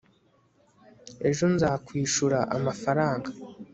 ejo nzakwishura amafaranga